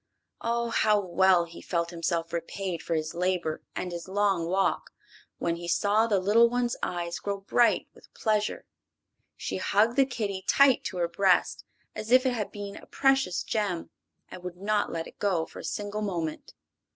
Ah, how well he felt himself repaid for his labor and his long walk when he saw the little one's eyes grow bright with pleasure! She hugged the kitty tight to her breast, as if it had been a precious gem, and would not let it go for a single moment.